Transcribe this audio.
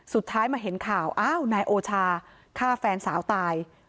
สุดท้ายมาเห็นข่าวอ้าวนายโอชาฆ่าแฟนสาวตาย